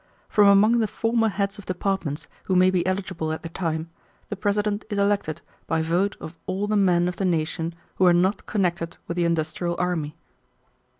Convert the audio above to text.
From among the former heads of departments who may be eligible at the time, the President is elected by vote of all the men of the nation who are not connected with the industrial army."